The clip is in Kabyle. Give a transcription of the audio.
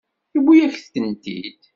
Yewwi-yak-tent-id.